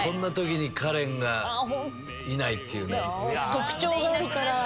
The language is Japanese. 特徴があるから。